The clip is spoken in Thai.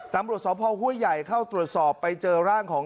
ตำรวจสพห้วยใหญ่เข้าตรวจสอบไปเจอร่างของ